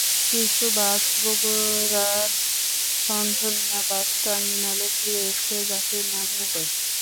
কিছু বাস বগুড়ার ঠনঠনিয়া বাস টার্মিনালে ফিরে এসে যাত্রী নামিয়ে দেয়।